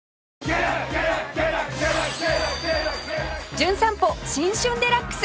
『じゅん散歩新春デラックス』